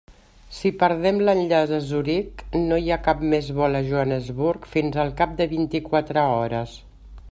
Si perdem l'enllaç a Zuric, no hi ha cap més vol a Johannesburg fins al cap de vint-i-quatre hores.